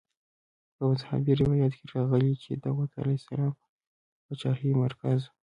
په مذهبي روایاتو کې راغلي چې د داود علیه السلام د پاچاهۍ مرکز وه.